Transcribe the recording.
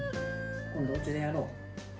今度おうちでもやろう。